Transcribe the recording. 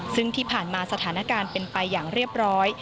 ซึ่งที่ผ่านมาสถานการณ์เป็นไปอย่างเรียบร้อย